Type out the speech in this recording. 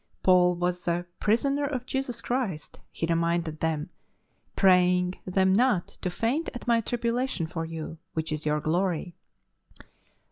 Paul was the prisoner of Jesus Christ, " he reminded them, prajdng them not " to faint at my tribulation for you, which is your glory."